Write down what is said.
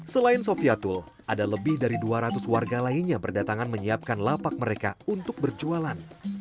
selain sofiatul ada lebih dari dua ratus warga lainnya berdatangan menyiapkan lapak mereka untuk berjualan